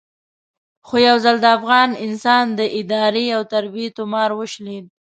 خو یو ځل د افغان انسان د ادارې او تربیې تومار وشلېد.